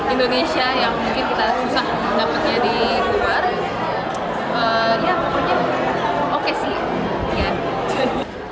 indonesia yang mungkin kita susah dapatnya di luar ya pokoknya oke sih